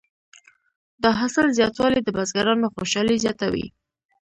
د حاصل زیاتوالی د بزګرانو خوشحالي زیاته وي.